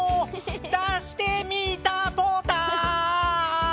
出してみたポター！